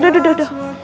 aduh duh duh duh